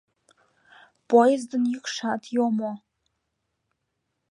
Поездын йӱкшат йомо.